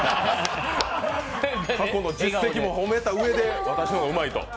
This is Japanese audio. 過去の実績も褒めたうえで私の方がうまいと。